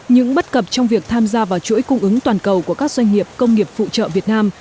những bất cập trong việc tham gia vào chuỗi cung ứng toàn cầu của các doanh nghiệp công nghiệp phụ trợ việt nam